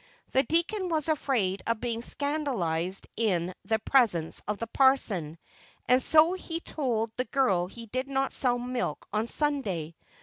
The deacon was afraid of being scandalized in the presence of the parson, and so he told the girl he did not sell milk on Sunday.